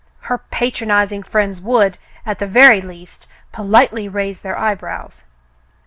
Her patronizing friends would, at the very least, politely raise their eyebrows.